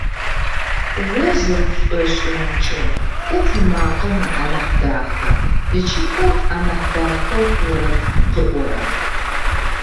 О зэрэпшӏошӏырэмкӏэ, хэт ымакъэ анахь даха ыкӏи хэт анахь дахэу орэд къыӏора?